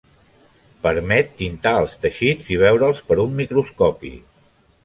Permet tintar els teixits i veure'ls per un microscopi.